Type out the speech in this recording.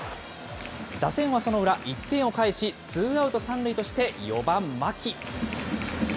打線はその裏、１点を返し、ツーアウト３塁として４番牧。